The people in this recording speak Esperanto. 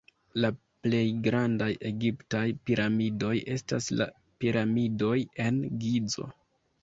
La plej grandaj egiptaj piramidoj estas la piramidoj en Gizo.